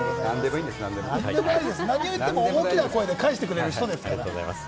何を言っても大きな声で返してくれる人ですから。